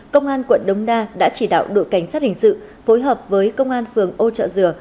công an đã chỉ đạo đội cảnh sát hình sự phối hợp với công an phường âu trợ dừa